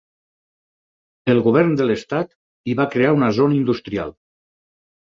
El govern de l'estat hi va crear una zona industrial.